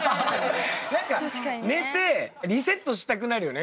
何か寝てリセットしたくなるよね